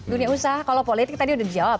dunia usaha kalau politik tadi udah dijawab